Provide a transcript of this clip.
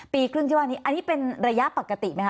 ปีครึ่งที่ว่านี้อันนี้เป็นระยะปกติไหมค